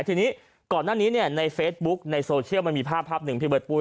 ทีนี้ก่อนหน้านี้ในเฟซบุ๊กในโซเชียลมันมีภาพภาพหนึ่งพี่เบิร์ปุ้